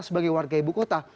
sebagai warga ibu kota